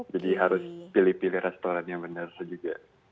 jadi harus pilih pilih restoran yang benar juga